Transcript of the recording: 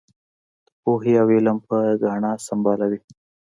د پوهې او علم پر ګاڼه یې سمبالوي.